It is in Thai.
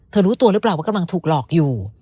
รู้ตัวหรือเปล่าว่ากำลังถูกหลอกอยู่